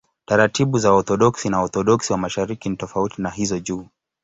Taratibu za Waorthodoksi na Waorthodoksi wa Mashariki ni tofauti na hizo juu.